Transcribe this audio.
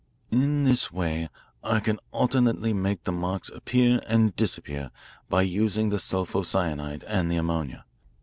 "In this way I can alternately make the marks appear and disappear by using the sulpho cyanide and the ammonia.